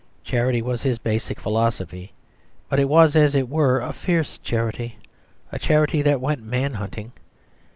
Charity was his basic philosophy; but it was, as it were, a fierce charity, a charity that went man hunting.